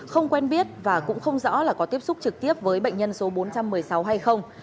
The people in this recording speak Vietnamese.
không quen biết và cũng không rõ là có tiếp xúc trực tiếp với bệnh nhân số bốn trăm một mươi sáu hay không